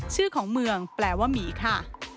ชื่อของเมืองแปลว่าหมีค่ะ